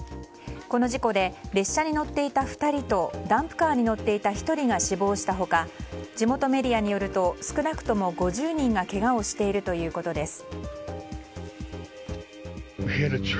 この事故で列車に乗っていた２人とダンプカーに乗っていた１人が死亡した他地元メディアによると少なくとも５０人がけがをしているということです。